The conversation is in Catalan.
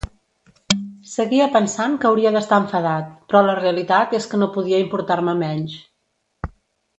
Seguia pensant que hauria d'estar enfadat, però la realitat és que no podia importar-me menys.